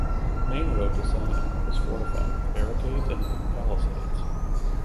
The main road to Santa Ana was fortified with barricades and wooden palisades.